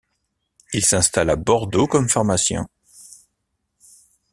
Il s'installe à Bordeaux comme pharmacien.